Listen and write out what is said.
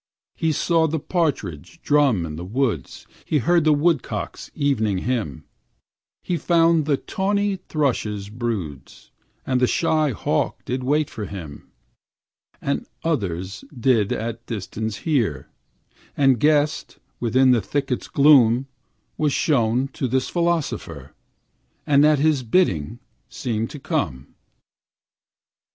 He saw the partridge drum in the woods; He heard the woodcock's evening hymn; He found the tawny thrushes' broods; And the shy hawk did wait for him; What others did at distance hear, And guessed within the thicket's gloom, Was shown to this philosopher, And at his bidding seemed to come.